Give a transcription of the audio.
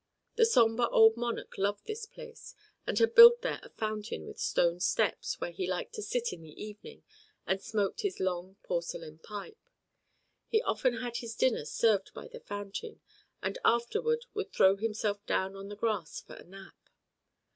The somber old monarch loved this place, and had built there a fountain with stone steps, where he liked to sit in the evening and smoke his long porcelain pipe. He often had his dinner served by the fountain, and afterward would throw himself down on the grass for a nap.